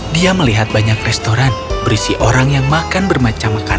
dia melihat banyak restoran berisi orang yang makan bermacam makanan